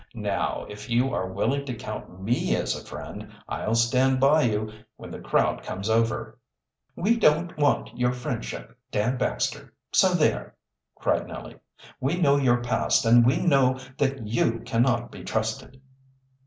Now, if you are willing to count me as a friend, I'll stand by you when the crowd comes over." "We don't want your friendship, Dan Baxter, so there!" cried Nellie. "We know your past, and we know that you cannot be trusted."